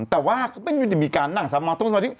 แต่ว่ามันไม่ใช่มีการถั่งสำนักหางดิ๊ก